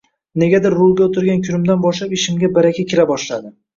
Negadir rulga o`tirgan kunimdan boshlab ishimga baraka kira boshladi